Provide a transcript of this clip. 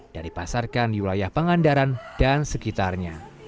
dan dipasarkan di wilayah pengandaran dan sekitarnya